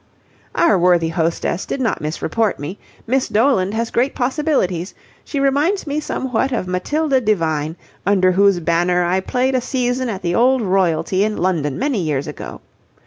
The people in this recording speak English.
"Our worthy hostess did not misreport me. Miss Doland has great possibilities. She reminds me somewhat of Matilda Devine, under whose banner I played a season at the Old Royalty in London many years ago.